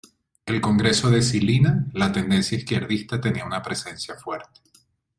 En el congreso de Žilina, la tendencia izquierdista tenía una presencia fuerte.